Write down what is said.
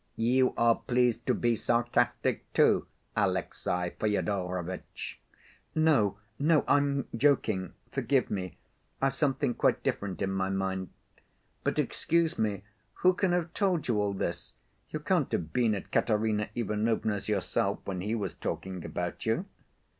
"You are pleased to be sarcastic, too, Alexey Fyodorovitch." "No, no, I'm joking, forgive me. I've something quite different in my mind. But, excuse me, who can have told you all this? You can't have been at Katerina Ivanovna's yourself when he was talking about you?"